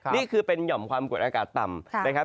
นี่คือเป็นหย่อมความกดอากาศต่ำนะครับ